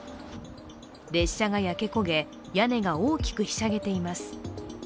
列車が焼け焦げ、屋根が大きくひしゃげています。